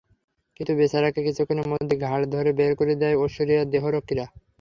কিন্তু বেচারাকে কিছুক্ষণের মধ্যেই ঘাড় ধরে বের করে দেন ঐশ্বরিয়ার দেহরক্ষীরা।